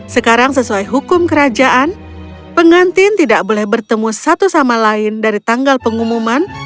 sekarang sesuai hukum kerajaan pengantin tidak boleh bertemu satu sama lain dari tanggal pengumuman